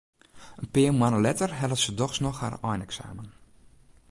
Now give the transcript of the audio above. In pear moanne letter hellet se dochs noch har eineksamen.